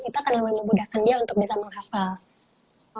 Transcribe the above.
itu akan lebih memudahkan dia untuk bisa menghafal